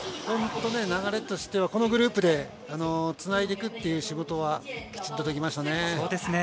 本当、流れとしてはこのグループでつないでいくという仕事はきちんとできましたね。